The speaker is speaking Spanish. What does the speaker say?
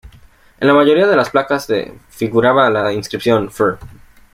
En la mayoría de las placas de figuraba la inscripción "Fr.